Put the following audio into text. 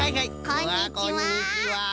こんにちは。